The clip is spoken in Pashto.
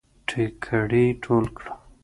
ټيکړی ټول کړه